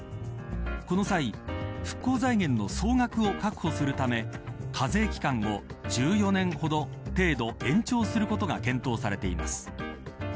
この際復興財源の損額を確保するため課税期間を１４年程度延長することが検討されています。